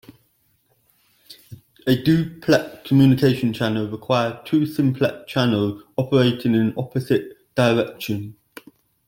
A duplex communication channel requires two simplex channels operating in opposite directions.